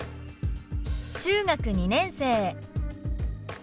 「中学２年生」。